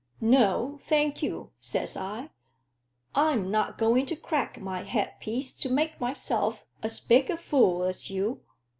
'No; thank you,' says I; 'I'm not going to crack my headpiece to make myself as big a fool as you.'